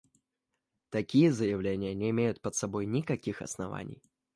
Такие заявления не имеют под собой никаких оснований.